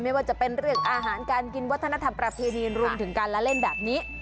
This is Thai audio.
ไม่ว่าจะเป็นเรื่องอาหารการกินวัฒนธรรมประเพณีรวมถึงการละเล่นแบบนี้